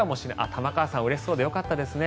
玉川さん、うれしそうでよかったですね。